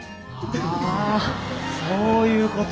あそういうこと。